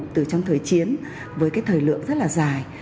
từ trong thời chiến với cái thời lượng rất là dài